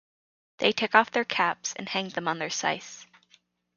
They take off their caps and hang them on their scythes.